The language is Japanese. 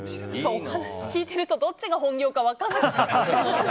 お話聞いてるとどっちが本業か分からなくなる。